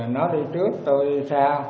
nó đi trước tôi đi xa